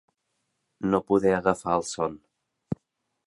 No poder agafar el son.